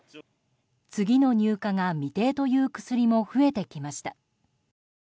次の入荷が未定という薬も増えてきました。